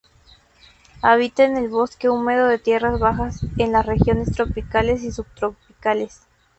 Habita en el bosque húmedo de tierras bajas en las regiones tropicales y subtropicales.